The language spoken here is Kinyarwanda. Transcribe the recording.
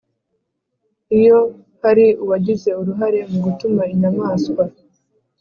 Iyo hari uwagize uruhare mu gutuma inyamaswa